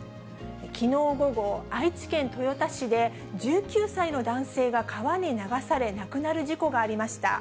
きのう午後、愛知県豊田市で、１９歳の男性が川に流され、亡くなる事故がありました。